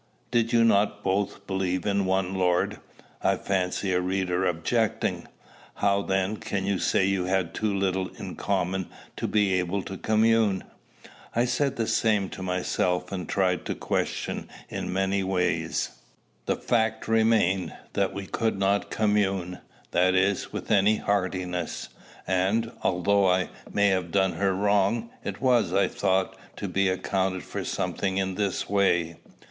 "Did you not both believe in one Lord?" I fancy a reader objecting. "How, then, can you say you had too little in common to be able to commune?" I said the same to myself, and tried the question in many ways. The fact remained, that we could not commune, that is, with any heartiness; and, although I may have done her wrong, it was, I thought, to be accounted for something in this way.